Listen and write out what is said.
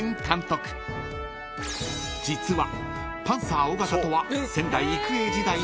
［実は］